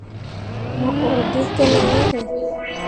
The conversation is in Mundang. Mo ur gi kene yerre ?